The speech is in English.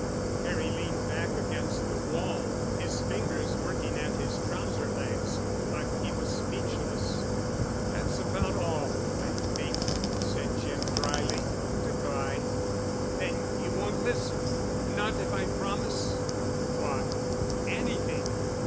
Harry leaned back against the wall, his fingers working at his trouser legs, but he was speechless. "That's about all, I think," said Jim dryly. "Good bye." "Then you won't listen—not if I promise——" "What——?" "Anything.